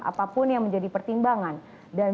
apapun yang menjadi pertimbangan dan